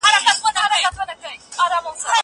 زه بايد مرسته وکړم!؟